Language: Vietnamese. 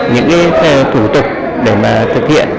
những cái thủ tục để mà thực hiện